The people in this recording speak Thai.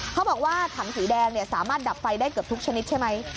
เขาบอกว่าถังสีแดงสามารถดับไฟได้เกือบทุกชนิดใช่ไหม